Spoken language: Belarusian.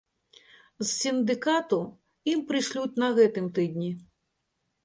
З сіндыкату ім прышлюць на гэтым тыдні.